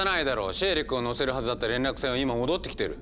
シエリ君を乗せるはずだった連絡船は今戻ってきてる。